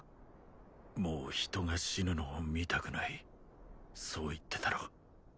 もう人が死ぬのを見たくないそう言ってたろ